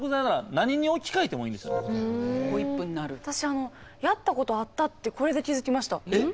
私やったことあったってこれで気付きました。